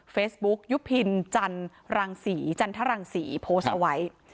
เฟซบุ๊คยุพินจันรังศรีจันทรังศรีโพสต์เอาไว้